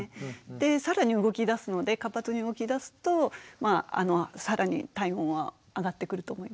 で更に動きだすので活発に動きだすと更に体温は上がってくると思います。